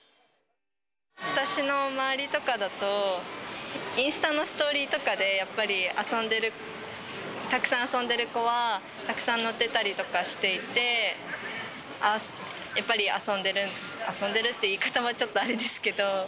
私の周りとかだと、インスタのストーリーとかで、やっぱり遊んでる、たくさん遊んでる子はたくさん載ってたりとかしていて、やっぱり遊んでる、遊んでるって言い方はちょっとあれですけど。